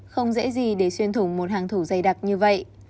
không dễ gì để xuyên thủng một hàng thủ dày đặc như vậy